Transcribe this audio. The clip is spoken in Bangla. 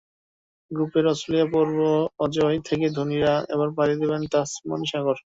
গ্রুপের অস্ট্রেলিয়া পর্ব অজেয় থেকে ধোনিরা এবার পাড়ি দেবেন তাসমান সাগর।